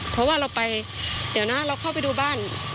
เพราะว่าเราไปเดี๋ยวนะเราเข้าไปดูบ้าน